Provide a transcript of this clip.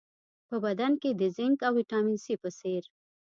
په بدن کې د زېنک او ویټامین سي په څېر